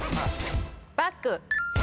バッグ。